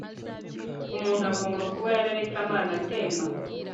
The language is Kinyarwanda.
umuntu agomba kuba yararetse amazi atemba